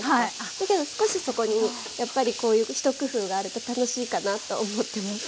だけど少しそこにやっぱりこういう一工夫があると楽しいかなと思ってます。